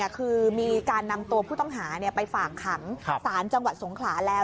คือมีการนำตัวผู้ต้องหาไปฝากขังสารจังหวัดสงขลาแล้ว